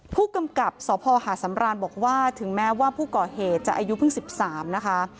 ผู้กำกับสภหาดสำรานบอกว่าถึงแม้ว่าผู้ก่อเหตุจะอายุเพิ่ง๑๓นะคะ